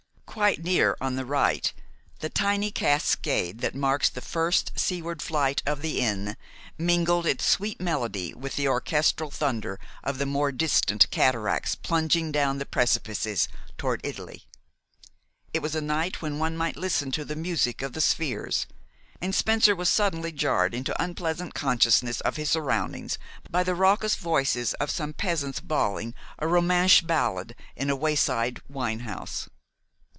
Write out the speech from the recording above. Quite near, on the right, the tiny cascade that marks the first seaward flight of the Inn mingled its sweet melody with the orchestral thunder of the more distant cataracts plunging down the precipices toward Italy. It was a night when one might listen to the music of the spheres, and Spencer was suddenly jarred into unpleasant consciousness of his surroundings by the raucous voices of some peasants bawling a Romansch ballad in a wayside wine house.